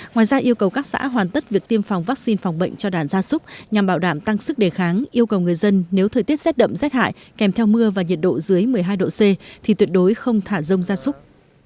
ngoài ra yêu cầu các xã hoàn tất việc tiêm phòng vaccine phòng bệnh cho đàn gia súc nhằm bảo đảm tăng sức đề kháng yêu cầu người dân nếu thời tiết rét đậm rét hại kèm theo mưa và nhiệt độ dưới một mươi hai độ c thì tuyệt đối không thả rông gia súc